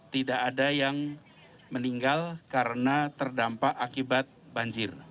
tidak ada yang meninggal karena terdampak akibat banjir